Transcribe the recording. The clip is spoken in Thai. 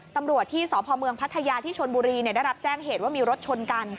ตำรวจที่สพเมืองพัทยาที่ชนบุรีได้รับแจ้งเหตุว่ามีรถชนกัน